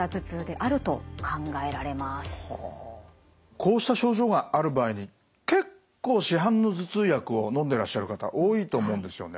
こうした症状がある場合に結構市販の頭痛薬をのんでらっしゃる方多いと思うんですよね。